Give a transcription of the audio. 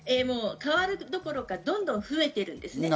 変わるどころか、どんどん増えています。